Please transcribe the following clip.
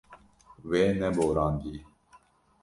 We neborandiye.